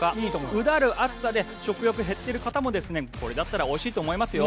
うだる暑さで食欲が減っている方もこれだったらおいしいと思いますよ。